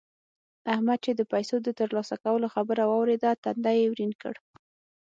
احمد چې د پيسو د تر لاسه کولو خبره واورېده؛ تندی يې ورين کړ.